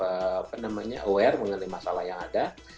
apa namanya aware mengenai masalah yang ada